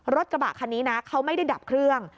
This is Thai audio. รถกระบะคันนี้นะเขาไม่ได้ดับเครื่อง